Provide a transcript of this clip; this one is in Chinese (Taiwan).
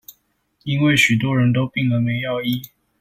因為許多人都病了沒藥醫